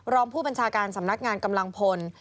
รองผู้บัญชาการสำนักงานกำลังพล